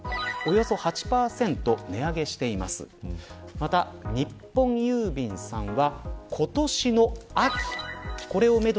また、日本郵便さんは。